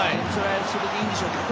それでいいんでしょうけど。